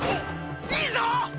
いいぞ！